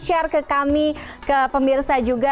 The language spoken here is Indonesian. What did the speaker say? share ke kami ke pemirsa juga